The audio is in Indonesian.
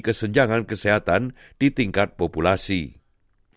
kesenjangan kesehatan di tingkat populasi